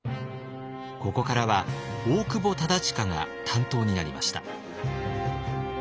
ここからは大久保忠隣が担当になりました。